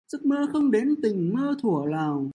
Giấc mơ không đến tình mê thuở nào